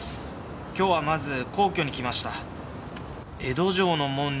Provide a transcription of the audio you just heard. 今日はまず皇居に来ました